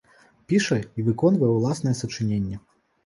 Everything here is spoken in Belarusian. Піша і выконвае ўласныя сачыненні.